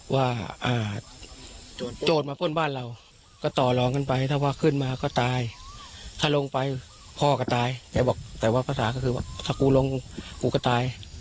โจทย์มาป้นบ้านเราก็ต่อรองกันไปถ้าว่าขึ้นมาก็ตายถ้าลงไปพ่อก็ตายแกบอกแต่ว่าภาษาก็คือว่าถ้ากูลงกูก็ตาย